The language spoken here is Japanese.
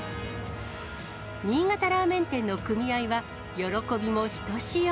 新潟ラーメン店の組合は喜びもひとしお。